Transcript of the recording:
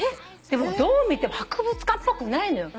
でもどう見ても博物館っぽくないのよ。